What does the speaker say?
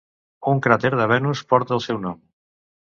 Un cràter de Venus porta el seu nom.